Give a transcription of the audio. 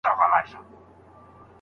آیا ګرامر تر لغاتونو سخت دی؟